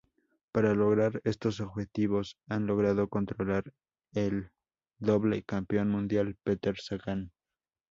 Para lograr estos objetivos han logrado contratar al doble campeón mundial Peter Sagan.